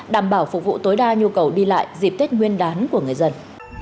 đảm bảo phục vụ tối đa nhu cầu đi lại dịp tết nguyên đán của người dân